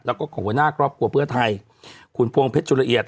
แล้วก็ของหัวหน้าครอบครัวเพื่อไทยคุณพวงเพชรจุลเอียด